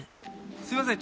すいません